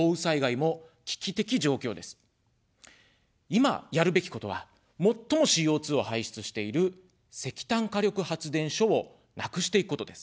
いま、やるべきことは、最もＣＯ２を排出している石炭火力発電所をなくしていくことです。